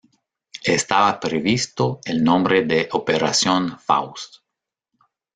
Estaba previsto el nombre de Operación Faust.